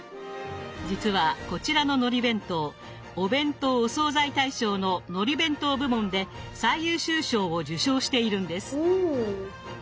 実はこちらののり弁当「お弁当・お惣菜大賞」の「のり弁当」部門で最優秀賞を受賞しているんです。